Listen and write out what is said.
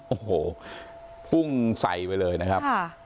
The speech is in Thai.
โอ้โหพุ่งใส่ไปเลยนะครับ